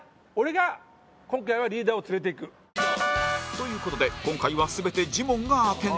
という事で今回は全てジモンがアテンド